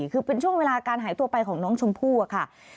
คือเป็นช่วงเวลาการหายตัวไปของน้องชมพู่อะค่ะ